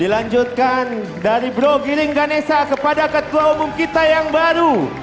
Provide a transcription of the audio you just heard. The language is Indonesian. dilanjutkan dari bro giring ganesa kepada ketua umum kita yang baru